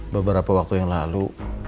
beberapa waktu yang lalu